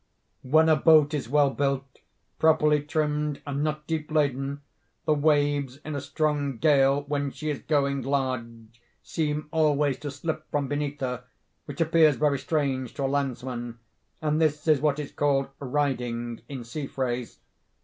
_ "When a boat is well built, properly trimmed, and not deep laden, the waves in a strong gale, when she is going large, seem always to slip from beneath her—which appears very strange to a landsman—and this is what is called riding, in sea phrase.